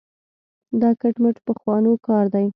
دا کټ مټ پخوانو کار دی.